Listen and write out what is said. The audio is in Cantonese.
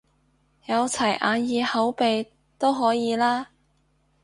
有齊眼耳口鼻都可以啦？